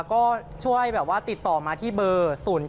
ก็ช่วยแบบว่าติดต่อมาที่เบอร์๐๗